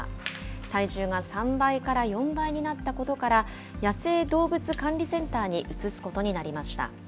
体重が３倍から４倍になったことから、野生動物管理センターに移すことになりました。